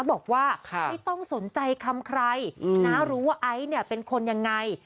บอกว่าไม่ต้องสนใจคำใครรู้ไอ๊เป็นคนอย่างไร